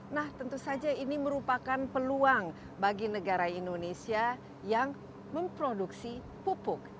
nah tentu saja ini merupakan peluang bagi negara indonesia yang memproduksi pupuk